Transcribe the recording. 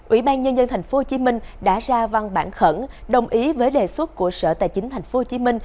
ủy ban nhân dân tp hcm đã ra văn bản khẩn đồng ý với đề xuất của sở tài chính tp hcm